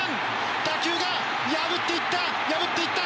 打球が破っていった破っていった！